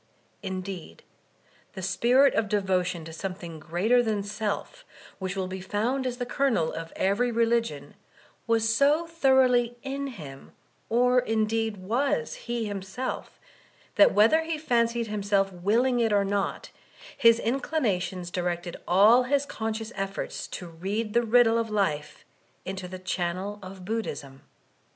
Indeed, the spirit of devotion to some thing greater than Self, which will be found as the kernel of every religion, was so thoroughly in him, or indeed was he himself that whether he fancied himself wiUmg it or not, his mdinations directed all his conscious ^90 VOLTAIftlNE'tNE ClEYKE efforts to read the riddle o{ life into the channel of Buddhism.